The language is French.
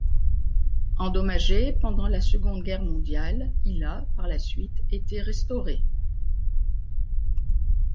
Endommagé pendant la Seconde Guerre mondiale, il a, par la suite, été restauré.